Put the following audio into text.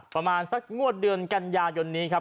ประมาณสักงวดเดือนกันยายนนี้ครับ